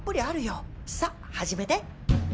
さっ始めて！